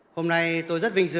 hôm nay tôi rất vinh dự